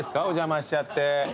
お邪魔しちゃって。